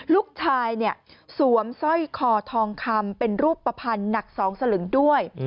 ลูกชายเนี่ยสวมสร้อยคอทองคำเป็นรูปผันหนักสองสลึงด้วย